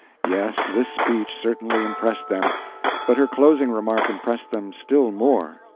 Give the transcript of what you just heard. Yes, this speech certainly impressed them, but her closing remark impressed them still more.